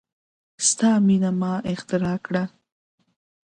ستا میینه ما اختراع کړه